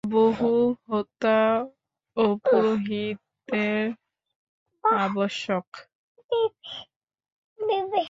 বহু হোতা ও পুরোহিতের আবশ্যক।